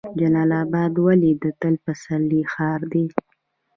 جلال اباد ولې د تل پسرلي ښار دی؟